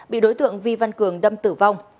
bị đối tượng vi văn cường đâm tử vong